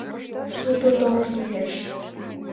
Шудо ток лиеш.